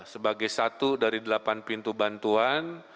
sebagai satu dari delapan pintu bantuan